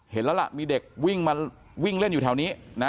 เห็นแล้วล่ะมีเด็กวิ่งมาวิ่งเล่นอยู่แถวนี้นะ